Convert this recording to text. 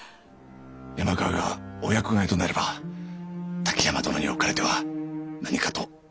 山川がお役替えとなれば滝山殿におかれては何かとご不便かと存じまして。